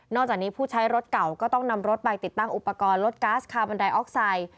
จากนี้ผู้ใช้รถเก่าก็ต้องนำรถไปติดตั้งอุปกรณ์ลดก๊าซคาร์บอนไดออกไซด์